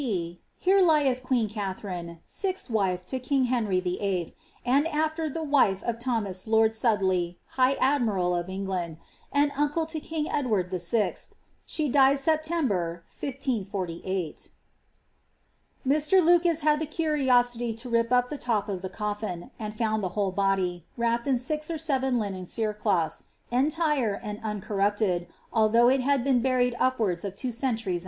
Here lyeth Qnene Katharine nth wife to Kyng Henry the viuth and after the wif of Thomas lord of Suddeley high Admyrall of England And Tncle to Eyng Edward the ▼/. She died September MCCCCO XLTIIJ. Bir. Lucas had the curiosity to rip up the top of the coffin, and foami the whole hody, wrapped in six or seven linen cerecloths, entire nd nncomipted, although it had been buried upwards of two centurieB mm!